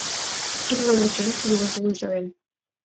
In religion, he was a Lutheran.